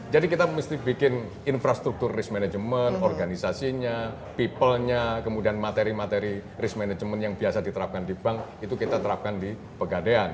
jadi kita mesti bikin infrastruktur risk management organisasinya people nya kemudian materi materi risk management yang biasa diterapkan di bank itu kita terapkan di pegadean